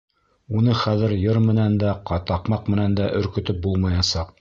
Уны хәҙер йыр менән дә, таҡмаҡ менән дә өркөтөп булмаясаҡ.